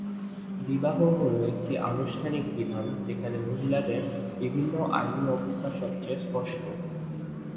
বিবাহ হল একটি আনুষ্ঠানিক বিধান, যেখানে মহিলাদের বিভিন্ন আইনি অবস্থা সবচেয়ে স্পষ্ট।